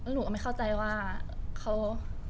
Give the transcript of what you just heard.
หนูก็ไม่เข้าใจว่าเขา